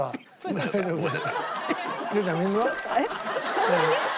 そんなに？